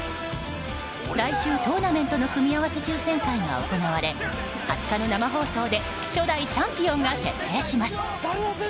来週、トーナメントの組み合わせ抽選会が行われ２０日の生放送で初代チャンピオンが決定します。